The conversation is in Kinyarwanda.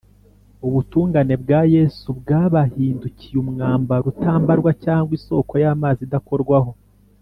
ubutungane bwa yesu bwabahindukiye umwambaro utambarwa cyangwa isoko y’amazi idakorwaho